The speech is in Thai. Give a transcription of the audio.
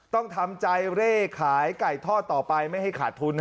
ต้องทำใจเร่ขายไก่ทอดต่อไปไม่ให้ขาดทุน